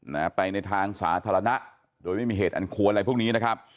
นะฮะไปในทางสาธารณะโดยไม่มีเหตุอันควรอะไรพวกนี้นะครับ